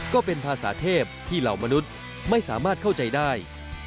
ก็เป็นภาษาเทพที่เหล่ามนุษย์ไม่สามารถเข้าใจได้